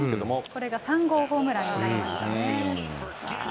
これが３号ホームランになりましたね。